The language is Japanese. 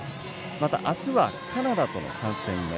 また明日はカナダとの３戦目。